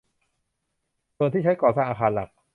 ส่วนที่ใช้ก่อสร้างอาคารหลัก